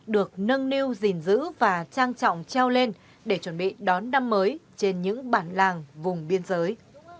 được nâng niu gìn giữ và trang trọng treo lên để chuẩn bị đón năm mới trên những bản làng vùng biên giới